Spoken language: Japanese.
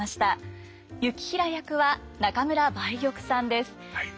行平役は中村梅玉さんです。